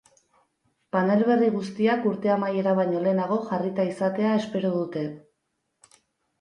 Panel berri guztiak urte amaiera baino lehenago jarrita izatea espero dute.